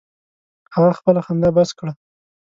هغه خپله خندا بس کړه.